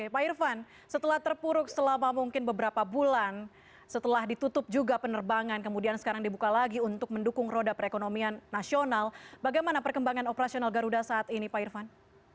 pak irfan setelah terpuruk selama mungkin beberapa bulan setelah ditutup juga penerbangan kemudian sekarang dibuka lagi untuk mendukung roda perekonomian nasional bagaimana perkembangan operasional garuda saat ini pak irfan